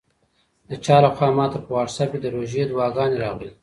د چا لخوا ماته په واټساپ کې د روژې دعاګانې راغلې.